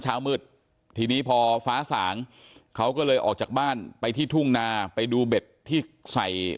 เช้ามืดทีนี้พอฟ้าสางเขาก็เลยออกจากบ้านไปที่ทุ่งนาไปดูเบ็ดที่ใส่